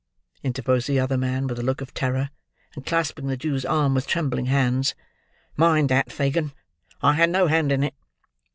interposed the other man, with a look of terror, and clasping the Jew's arm with trembling hands. "Mind that. Fagin! I had no hand in it.